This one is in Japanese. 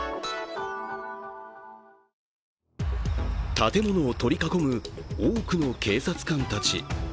建物を取り囲む多くの警察官たち。